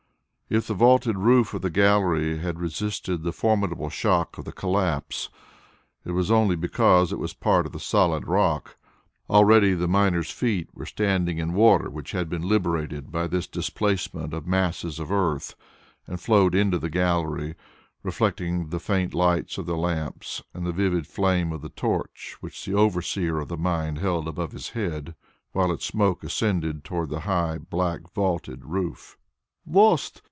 If the vaulted roof of the gallery had resisted the formidable shock of the collapse, it was only because it was part of the solid rock. Already the miners' feet were standing in water which had been liberated by this displacement of masses of earth and flowed into the gallery, reflecting the faint lights of the lamps and the vivid flame of the torch which the overseer of the mine held above his head, while its smoke ascended towards the high black vaulted roof. "Lost!